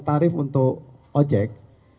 tarif untuk ojek